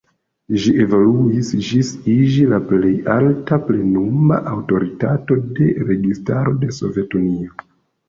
Ĝi evoluis ĝis iĝi la plej alta plenuma aŭtoritato de registaro de Sovetunio.